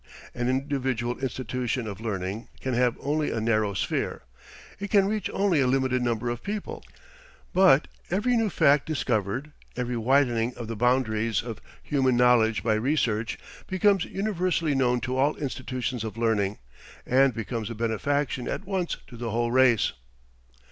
An individual institution of learning can have only a narrow sphere. It can reach only a limited number of people. But every new fact discovered, every widening of the boundaries of human knowledge by research, becomes universally known to all institutions of learning, and becomes a benefaction at once to the whole race.